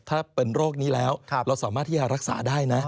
ถ้าเป็นโรคนี้แล้วเราสามารถที่จะรักษาได้นะ